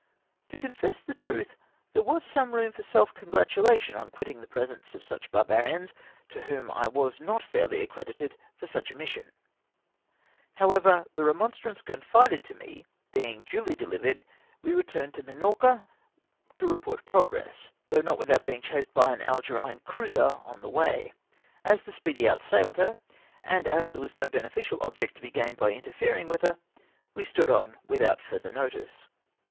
To confess the truth, there was some room for self congratulation on quitting the presence of such bar barians, to whom I was not fairly accredited for such a mission. However, the remonstrance confided to me being duly dehvered, we returned to liinorca, to report progress, though not without being chased by an Algerine cruiser on our way. As the Speedy outsailed her, and as there was no beneficial object to be gained by interfering with her, we stood on without further notice.